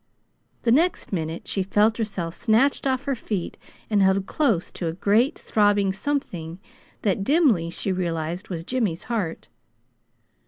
The next minute she felt herself snatched off her feet and held close to a great throbbing something that dimly she realized was Jimmy's heart.